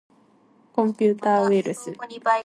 コンピューターウイルス